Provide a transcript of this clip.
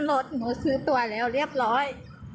แล้วหนูจะกลับอย่างไรคะ